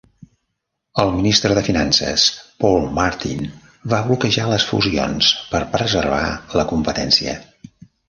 El ministre de Finances, Paul Martin, va bloquejar les fusions per preservar la competència.